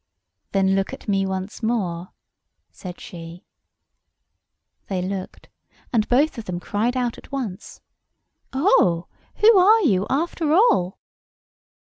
"Then look at me once more," said she. They looked—and both of them cried out at once, "Oh, who are you, after all?"